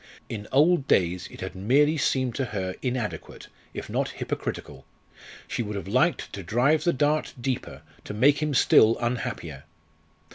In old days it had merely seemed to her inadequate, if not hypocritical. She would have liked to drive the dart deeper, to make him still unhappier!